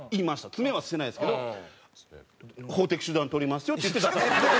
詰めはしてないですけど「法的手段取りますよ」って言って出させて。